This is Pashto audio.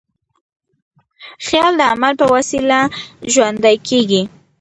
خیال د عمل په وسیله ژوندی کېږي.